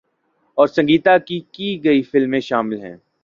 اور سنگیتا کی کئی فلمیں شامل ہیں۔